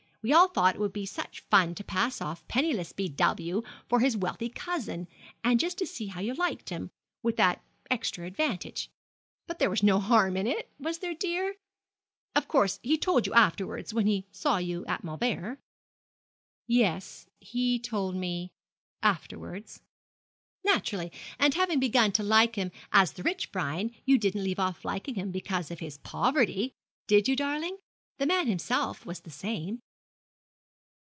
We all thought it would be such fun to pass off penniless B. W. for his wealthy cousin and just to see how you liked him, with that extra advantage. But there was no harm in it, was there, dear? Of course, he told you afterwards, when you saw him at Mauleverer? 'Yes, he told me afterwards.' 'Naturally; and having begun to like him as the rich Brian, you didn't leave off liking him because of his poverty did you, darling? The man himself was the same.'